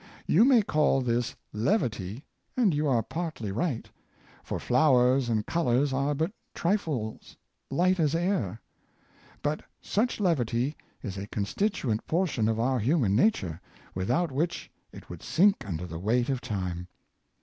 You may call this levity, and you are partly right — for flowers and colors are but trifles light as air — but such levity is a constit uent portion of our human nature, without which it would sink under the weight of time.